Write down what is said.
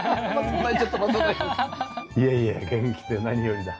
いやいや元気で何よりだ。